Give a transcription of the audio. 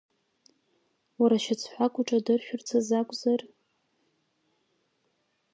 Уара шьацҳәак уаҿадыршәырц азы акәзар?